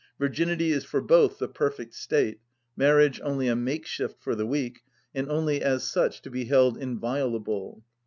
Virginity is for both the perfect state, marriage only a make‐shift for the weak, and only as such to be held inviolable.